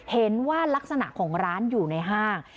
เห็นว่ารักษณะของร้านอยู่ในห้าง